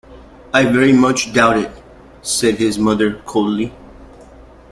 “I very much doubt it,” said his mother coldly.